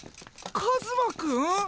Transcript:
カズマくん？